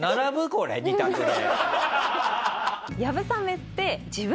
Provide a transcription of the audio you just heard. これ２択で。